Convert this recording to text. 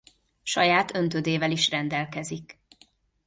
Saját öntödével is rendelkezik.